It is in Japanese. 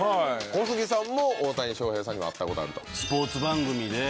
小杉さんも大谷翔平さんには会ったことあると。